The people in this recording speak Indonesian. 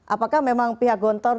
apakah memang pihak gontor